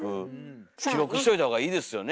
記録しといたほうがいいですよね。